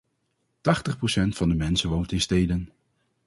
Tachtig procent van de mensen woont in steden.